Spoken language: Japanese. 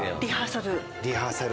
リハーサル？